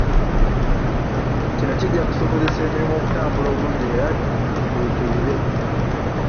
Kino kijja kusobozesa emirimu okutambula obulungi era gituukirire.